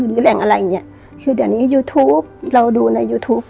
หรือแหล่งอะไรอย่างเงี้ยคือเดี๋ยวนี้ยูทูปเราดูในยูทูป